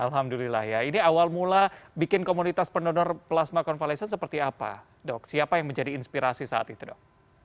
alhamdulillah ya ini awal mula bikin komunitas pendonor plasma konvalesen seperti apa dok siapa yang menjadi inspirasi saat itu dok